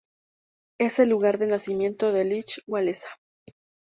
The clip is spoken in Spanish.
Es el lugar de nacimiento de Lech Wałęsa.